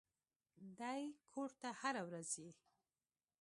دى کور ته هره ورځ ځي.